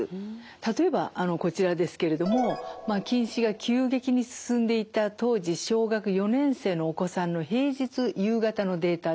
例えばこちらですけれども近視が急激に進んでいた当時小学４年生のお子さんの平日夕方のデータです。